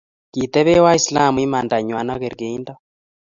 Kitebe waislamu imandangwany ak kerkeindo